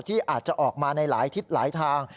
ที่อาจจะออกมาในหลายทิศหลายทาง